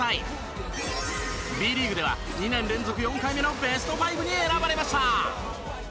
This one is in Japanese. Ｂリーグでは２年連続４回目のベスト５に選ばれました。